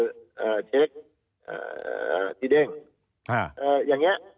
เอ่อเช็คเอ่อที่เด้ง